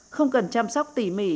không cần chăm sóc tỉ mỉ